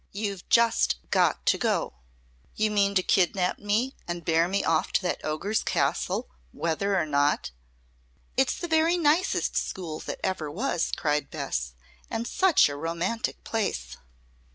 You've just got to go!" "You mean to kidnap me and bear me off to that ogre's castle, whether or not?" "It's the very nicest school that ever was," cried Bess. "And such a romantic place."